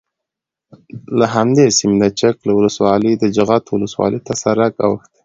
له همدې سیمې د چک له ولسوالۍ د جغتو ولسوالۍ ته سرک اوښتی،